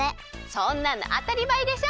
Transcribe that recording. そんなのあたりまえでしょ！